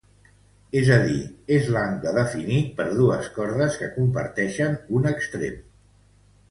És a dir, és l'angle definit per dues cordes que comparteixen un extrem.